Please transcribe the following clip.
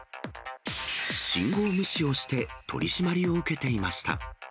信号無視をして取締りを受けていました。